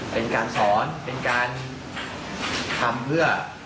เป็นการสอนเป็นการทำเพื่อ